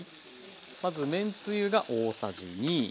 まずめんつゆが大さじ２。